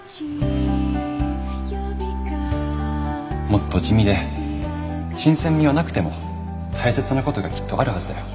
もっと地味で新鮮味はなくても大切なことがきっとあるはずだよ。